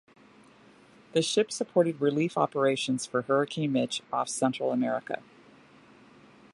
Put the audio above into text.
The ship supported relief operations for Hurricane Mitch off Central America.